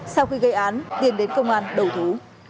sau khi gây án tiên đến công an đầu thú